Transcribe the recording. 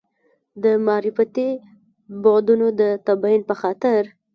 د معرفتي بعدونو د تبیین په خاطر.